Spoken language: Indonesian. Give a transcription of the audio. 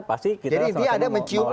pasti kita semua sama sama mau lawan